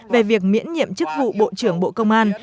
về việc miễn nhiệm chức vụ bộ trưởng bộ công an